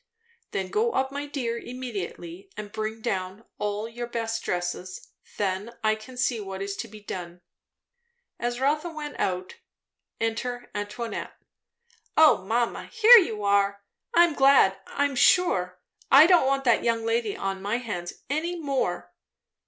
"Then go up, my dear, immediately; and bring down all your best dresses. Then I can see what is to be done." As Rotha went out, enter Antoinette. "O mamma, here you are! I'm glad, I'm sure. I don't want that young lady on my hands any more."